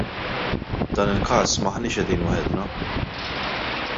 F'dan il-każ m'aħniex qegħdin waħedna.